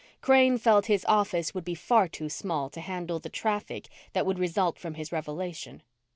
Crane felt his office would be far too small to handle the traffic that would result from his revelation.